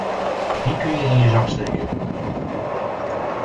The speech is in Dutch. Die kun je in je zak steken!